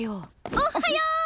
おっはよ！